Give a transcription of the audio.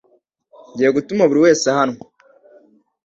Ngiye gutuma buri wese ahanwa